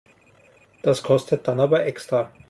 Das kostet dann aber extra.